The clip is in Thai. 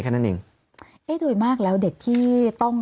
แค่นั้นเอง